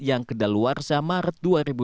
yang kedaluarsa maret dua ribu dua puluh